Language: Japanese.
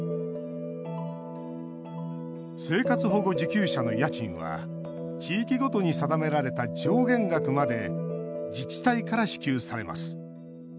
生活保護受給者の家賃は地域ごとに定められた上限額まで自治体から支給されます。